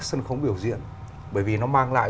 sân khấu biểu diễn bởi vì nó mang lại